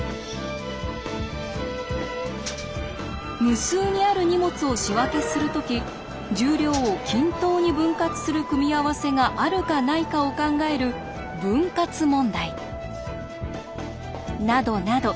無数にある荷物を仕分けする時重量を均等に分割する組み合わせがあるかないかを考える「分割問題」。などなど